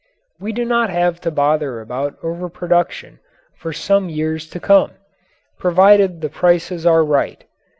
We do not have to bother about overproduction for some years to come, provided the prices are right.